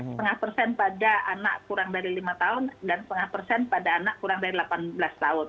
setengah persen pada anak kurang dari lima tahun dan setengah persen pada anak kurang dari delapan belas tahun